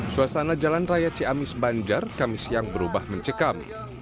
suasana jalan raya ciamis banjar kamis yang berubah mencekam